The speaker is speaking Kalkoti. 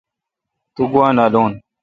تو گوا نالون۔